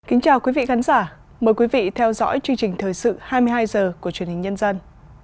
kính chào quý vị khán giả mời quý vị theo dõi chương trình thời sự hai mươi hai h của truyền hình nhân dân